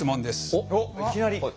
おっいきなり。